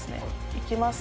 いきます。